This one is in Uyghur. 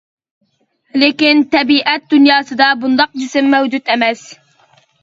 لېكىن تەبىئەت دۇنياسىدا بۇنداق جىسىم مەۋجۇت ئەمەس.